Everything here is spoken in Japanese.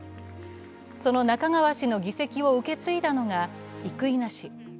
その那珂川市の議席を受け継いだのが生稲氏。